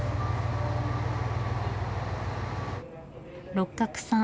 六角さん